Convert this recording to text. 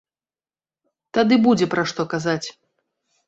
Тады будзе пра што казаць.